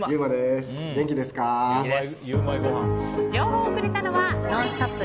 情報をくれたのは「ノンストップ！」